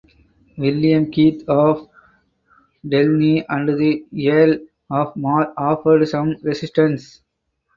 William Keith of Delny and the Earl of Mar offered some resistance.